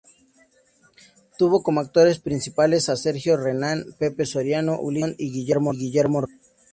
Tuvo como actores principales a Sergio Renán, Pepe Soriano, Ulises Dumont y Guillermo Rico.